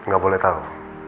gak boleh tau